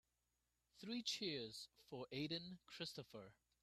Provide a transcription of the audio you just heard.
Three cheers for Aden Christopher.